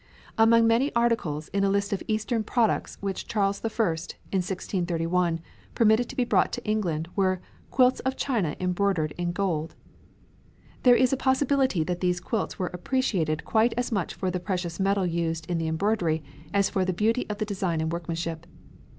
Among many articles in a list of Eastern products, which Charles I, in 1631, permitted to be brought to England, were "quilts of China embroidered in Gold." There is a possibility that these quilts were appreciated quite as much for the precious metal used in the embroidery as for the beauty of design and workmanship.